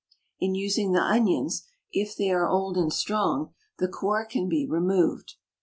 In using the onions, if they are old and strong, the core can be removed.